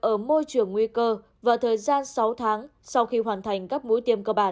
ở môi trường nguy cơ và thời gian sáu tháng sau khi hoàn thành các mũi tiêm cơ bản